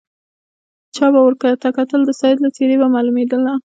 چا به ورته وکتل د سید له څېرې به یې معلومېدله.